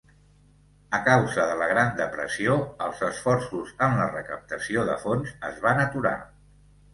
A causa de la Gran Depressió, els esforços en la recaptació de fons es van aturar.